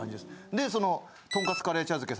でそのとんかつカレー茶漬け